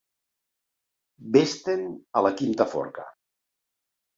Ves-te'n a la quinta forca!